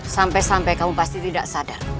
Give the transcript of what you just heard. sampai sampai kamu pasti tidak sadar